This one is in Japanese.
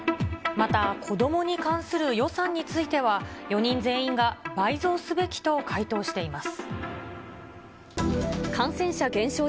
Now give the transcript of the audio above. また子どもに関する予算については、４人全員が倍増すべきと回答しています。